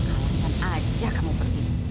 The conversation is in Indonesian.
awasan aja kamu pergi